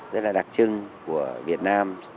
rất là đặc trưng của việt nam